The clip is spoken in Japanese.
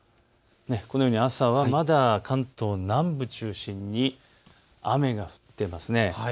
このように朝はまだ関東南部中心に雨が降っています。